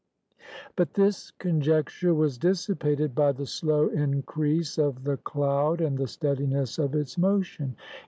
But this conjecture was dissipated by the slow increase of the cloud and the steadiness of its motion.